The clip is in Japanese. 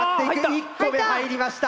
１個目入りました。